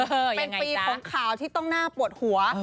เป็นปีของข่าวที่ต้องน่าปวดหัว